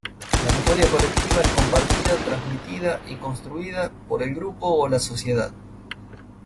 La memoria colectiva es compartida, transmitida y construida por el grupo o la sociedad.